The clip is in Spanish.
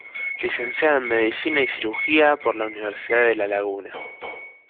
Licenciada en Medicina y Cirugía por la Universidad de La Laguna.